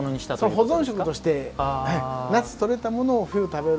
保存食として夏とれたものを冬食べる。